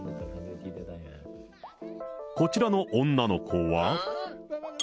こちらの女の子は。